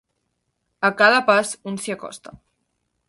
A cada pas un s'hi acosta.